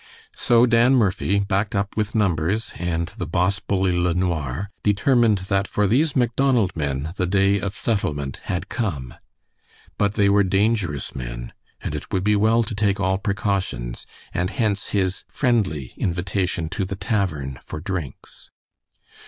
So Dan Murphy, backed up with numbers, and the boss bully LeNoir, determined that for these Macdonald men the day of settlement had come. But they were dangerous men, and it would be well to take all precautions, and hence his friendly invitation to the tavern for drinks.